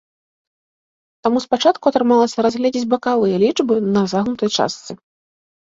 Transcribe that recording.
Таму спачатку атрымалася разгледзець бакавыя лічбы на загнутай частцы.